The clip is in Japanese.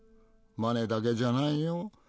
マネだけじゃないよ。